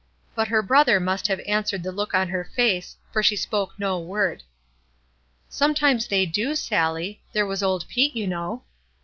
But her brother must have answered the look on her face, for she spoke no word. "Sometimes they do, Sallie. There was old Pete, you know."